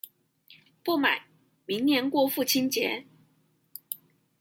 不買，明年過父親節